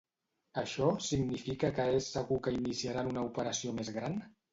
Això significa que és segur que iniciaran una operació més gran?